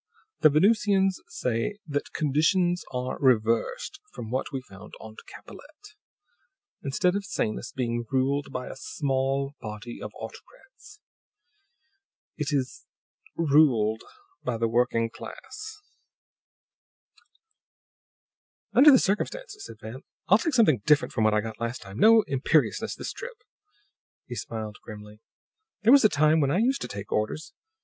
The Venusians say that conditions are reversed from what we found on Capellette. Instead of Sanus being ruled by a small body of autocrats, it is ruled by the working class!" "Under the circumstances," said Van, "I'll take something different from what I got last time. No imperiousness this trip." He smiled grimly. "There was a time when I used to take orders.